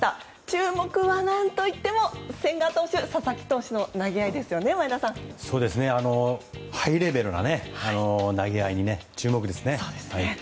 注目は何といっても千賀投手、佐々木投手のハイレベルな投げ合いに注目ですね。